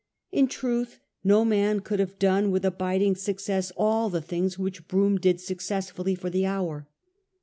In truth no man could have done with abiding suc cess all the things which Brougham did successfully for the hour.